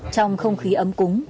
trong không khí ấm cúng